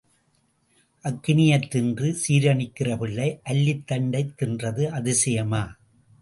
அக்கினியைத் தின்று சீரணிக்கிற பிள்ளை, அல்லித் தண்டைத் தின்றது அதிசயமா?